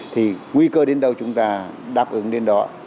thì nguy cơ đến đâu chúng ta đáp ứng đến đó